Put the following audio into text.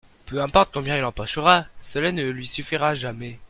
Peu importe combien il empochera, cela ne lui suffira jamais.